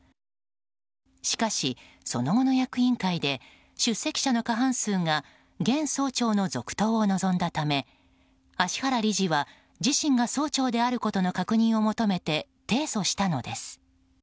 しかし、その後の役員会で出席者の過半数が現総長の続投を望んだため芦原理事は自身が総長であることの確認を求めて提訴したのです。